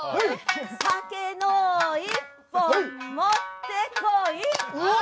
酒の１本持ってこい！